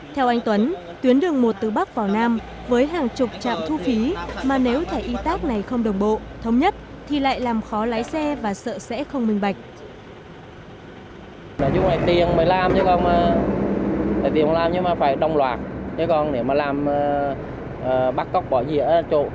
theo anh tuấn tuyến đường một từ bắc vào nam với hàng chục trạm thu phí mà nếu thẻ etac này không đồng bộ thống nhất thì lại làm khó lái xe và sợ sẽ không minh bạch